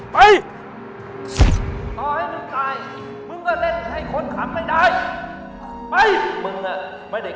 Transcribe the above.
ป่าวให้มึงตาย